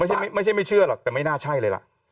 ไม่ใช่ไม่เชื่อหรอกแต่ไม่น่าใช่เลยล่ะ